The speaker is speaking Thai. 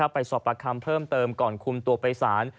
ไปสอบประคำเพิ่มเติมก่อนคุมตัวไปสาร